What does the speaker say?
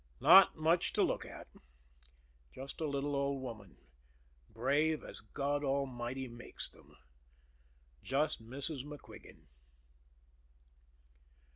Not much to look at just a little old woman, brave as God Almighty makes them just Mrs. MacQuigan.